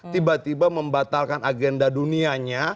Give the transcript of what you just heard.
tiba tiba membatalkan agenda dunianya